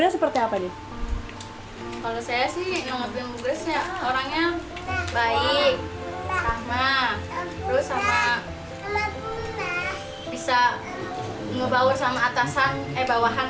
seperti apa nih kalau saya sih orangnya baik sama sama bisa membawa sama atasan e bawahan